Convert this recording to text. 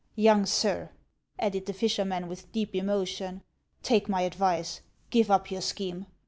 " Young sir," added the fisherman, witli deep emotion, " take my advice ; give up your scheme.